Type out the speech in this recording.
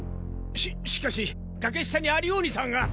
しっしかし崖下にアリオーニさんが。